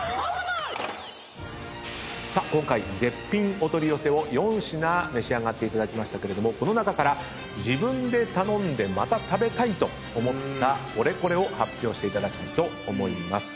今回絶品お取り寄せを４品召し上がっていただきましたがこの中から自分で頼んでまた食べたいと思ったオレコレを発表していただきたいと思います。